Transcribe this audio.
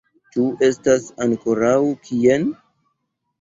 Ĉu estas ankoraŭ kien?